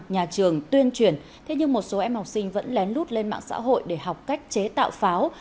nhà trường tuyên truyền thế nhưng một số em học sinh vẫn lén lút lên mạng xã hội để học cách chế tạo pháo